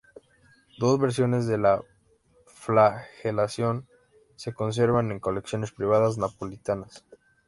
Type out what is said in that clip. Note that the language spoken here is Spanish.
Dos versiones de la "Flagelación" se conservan en colecciones privadas napolitanas.